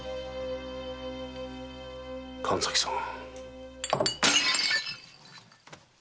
神崎さん。